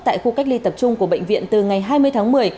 tại khu cách ly tập trung của bệnh viện từ ngày hai mươi tháng một mươi